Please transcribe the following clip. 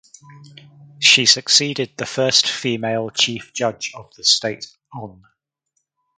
She succeeded the first female chief judge of the state Hon.